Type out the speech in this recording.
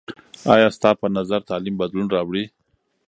آیا ستا په نظر تعلیم بدلون راوړي؟